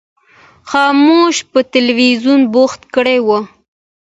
خاموش په تلویزیون بوخت کړی و.